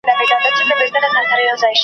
چي یې زده نه وي وهل د غلیمانو .